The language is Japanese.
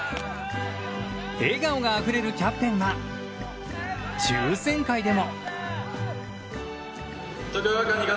笑顔があふれるキャプテンは抽選会でも。